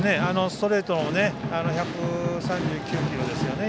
ストレートも１３９キロですね。